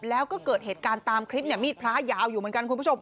แล้วก็เกิดเหตุการณ์ตามคลิปเนี่ยมีดพระยาวอยู่เหมือนกันคุณผู้ชม